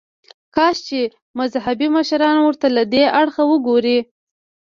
کاش چې مذهبي مشران ورته له دې اړخه وګوري.